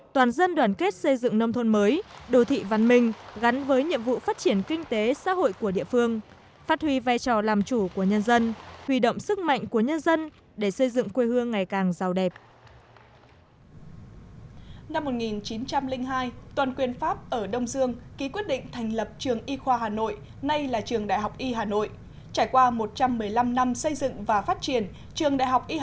trải qua một trăm một mươi năm năm xây dựng và phát triển trường đại học y hà nội hiện là một trong